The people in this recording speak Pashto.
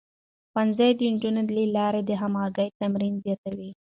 ښوونځی د نجونو له لارې د همغږۍ تمرين زياتوي.